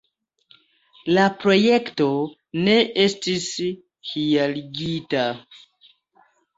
La projekto ne estis realigita.